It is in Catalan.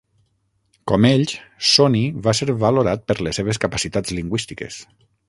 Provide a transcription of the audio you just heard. Com ells, Soni va ser valorat per les seves capacitats lingüístiques.